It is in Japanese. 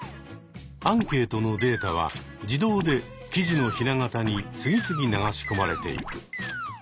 アンケートのデータは自動で記事のひな形に次々流し込まれていく。